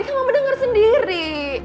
iya ma tadi kan mama dengar sendiri